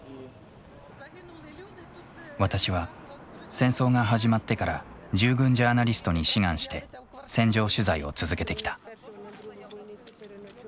私は戦争が始まってから従軍ジャーナリストに志願して戦場取材を続けてきた。